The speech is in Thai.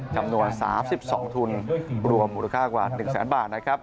จำนวน๓๒ทุนรวมมูลค่ากว่า๑แสนบาทนะครับ